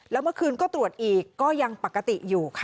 แล้วเมื่อคืนก็ตรวจอีกก็ยังปกติอยู่ค่ะ